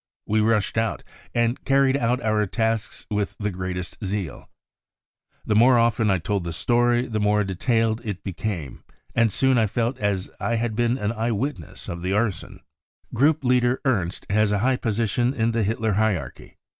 We rushed out, and carried out our tasks with the greatest zeal, * The more often 1 told the story, the more detailed it | became, and soon 1 felt as if 1 had been an eye witness ' of the arson. 55 Group leader Ernst has a high position in the Hitler hierarchy.